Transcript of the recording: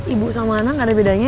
ibu sama anak ada bedanya